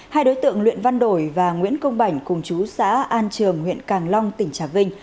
hai đối tượng luyện văn đổi và nguyễn công bảnh cùng chú xã an trường huyện càng long tỉnh trà vinh